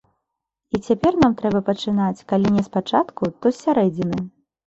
І цяпер нам трэба пачынаць калі не з пачатку, то з сярэдзіны.